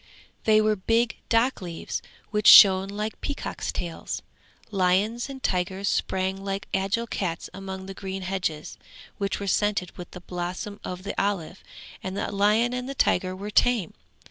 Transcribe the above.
They were big dock leaves, which shone like peacocks' tails. Lions and tigers sprang like agile cats among the green hedges, which were scented with the blossom of the olive, and the lion and the tiger were tame.